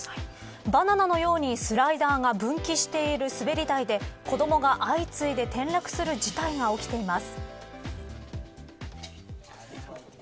バナナのようにスライダーが分岐している滑り台で子どもが相次いで転落する事態が起きています。